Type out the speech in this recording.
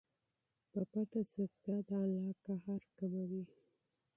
په پټه صدقه د الله غصه کموي.